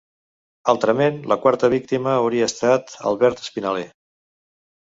Altrament, la quarta víctima hauria estat Albert Espinaler.